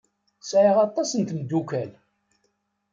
Sɛiɣ aṭas n tmeddukal.